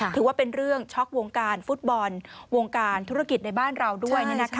ถือว่าเป็นเรื่องช็อกวงการฟุตบอลวงการธุรกิจในบ้านเราด้วย